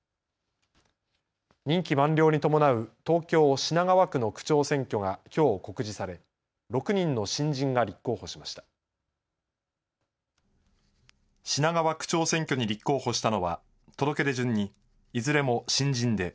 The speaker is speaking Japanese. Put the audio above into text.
任期満了に伴う東京品川区の区長選挙がきょう告示され６人の新人が立候補しました。